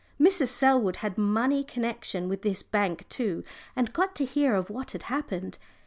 Mrs. Selwood had money connection with this bank too, and got to hear of what had happened.